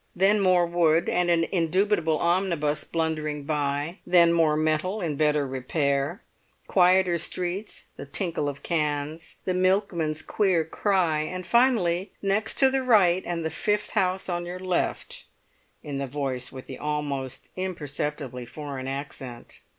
Then more wood, and an indubitable omnibus blundering by; then more metal, in better repair; quieter streets, the tinkle of cans, the milkman's queer cry; and finally, "Next to the right and the fifth house on your left," in the voice with the almost imperceptibly foreign accent.